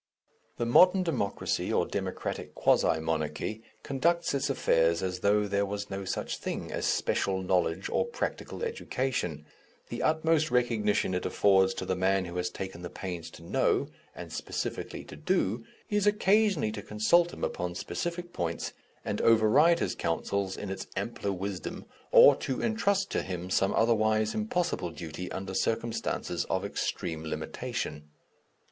The modern democracy or democratic quasi monarchy conducts its affairs as though there was no such thing as special knowledge or practical education. The utmost recognition it affords to the man who has taken the pains to know, and specifically to do, is occasionally to consult him upon specific points and override his counsels in its ampler wisdom, or to entrust to him some otherwise impossible duty under circumstances of extreme limitation.